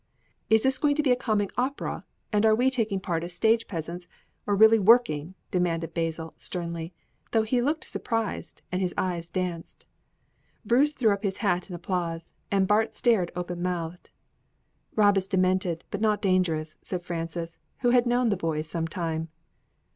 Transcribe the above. "Is this going to be a comic opera, and are we taking part as stage peasants, or really working?" demanded Basil, sternly, though he looked surprised, and his eyes danced. Bruce threw up his hat in applause, and Bart stared open mouthed. "Rob is demented, but not dangerous," said Frances, who had known the boys some time.